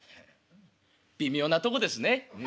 微妙なとこですね。